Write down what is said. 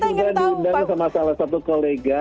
saya juga diundang sama salah satu kolega